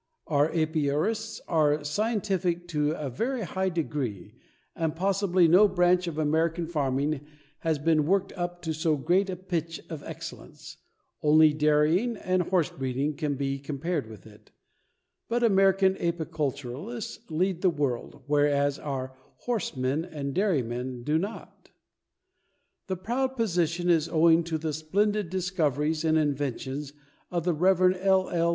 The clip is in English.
Our apiarists are scientific to a very high degree and possibly no branch of American farming has been worked up to so great a pitch of excellence, only dairying and horsebreeding can be compared with it, but American apiculturists lead the world, whereas, our horsemen or dairymen do not. This proud position is owing to the splendid discoveries and inventions of the Rev. L. L.